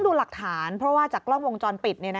ดูหลักฐานเพราะว่าจากกล้องวงจรปิด